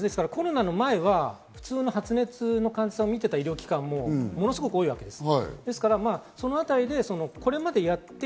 コロナの前は普通に発熱の患者さんを診ていた医療機関も多いわけです。